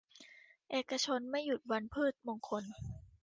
เอกชนไม่หยุดวันพืชมงคล